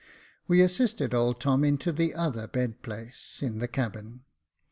We assisted old Tom into the other *' bed place" in the cabin.